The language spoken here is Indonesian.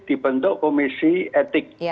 dibentuk komisi etik